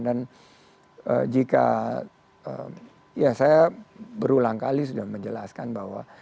dan jika ya saya berulang kali sudah menjelaskan bahwa